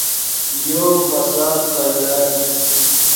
یو فساد پیدا کیت